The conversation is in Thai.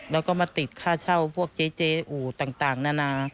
แล้วก็มาติดค่าเช่าพวกเจ๊อู่ต่างนานา